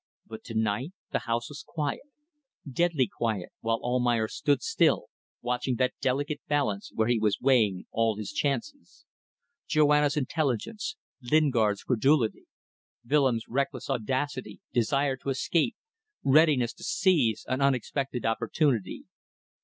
But to night the house was quiet, deadly quiet, while Almayer stood still, watching that delicate balance where he was weighing all his chances: Joanna's intelligence, Lingard's credulity, Willems' reckless audacity, desire to escape, readiness to seize an unexpected opportunity.